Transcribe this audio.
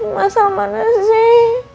masalah mana sih